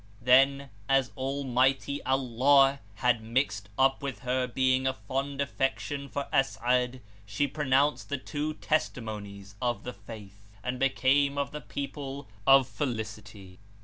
Then, as Almighty Allah had mixed up with her being a fond affection for As'ad, she pronounced the Two Testimonies[FN#401] of the Faith and became of the people of felicity.